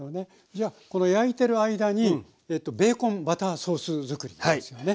じゃこの焼いてる間にベーコンバターソース作りですよね。